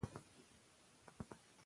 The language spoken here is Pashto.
دا نوی فارمټ ډېر کم لګښت لري.